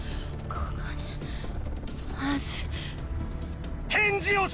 ここにます